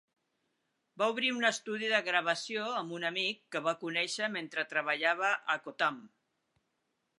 Va obrir un estudi de gravació amb un amic que va conèixer mentre treballava a Kotam.